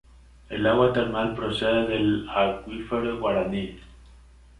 El agua termal procede del acuífero Guaraní.